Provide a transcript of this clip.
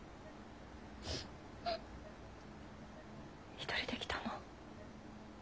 一人で来たの？